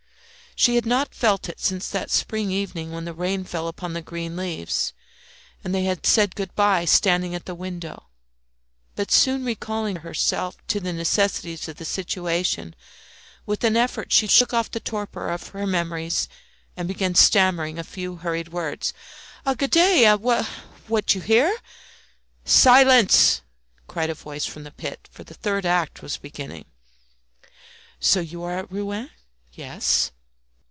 She had not felt it since that spring evening when the rain fell upon the green leaves, and they had said good bye standing at the window. But soon recalling herself to the necessities of the situation, with an effort she shook off the torpor of her memories, and began stammering a few hurried words. "Ah, good day! What! you here?" "Silence!" cried a voice from the pit, for the third act was beginning. "So you are at Rouen?" "Yes."